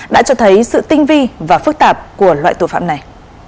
đã cho thấy sự tinh vi và phức tạp của loại tội phạm này